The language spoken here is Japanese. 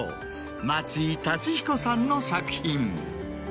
松井達彦さんの作品。